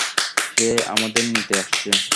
সে আমাদের নিতে আসছে।